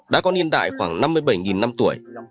đá có niên đại khoảng năm mươi bảy năm tuổi